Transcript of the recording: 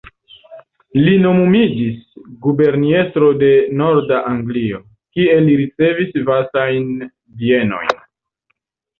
Li nomumiĝis guberniestro de norda Anglio, kie li ricevis vastajn bienojn.